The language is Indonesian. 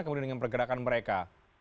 kemudian dengan pergerakan mereka